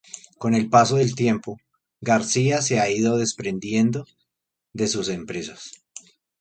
Con el paso del tiempo, García se ha ido desprendiendo de sus empresas.